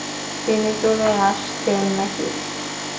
তিনি চলে আসছেন নাকি?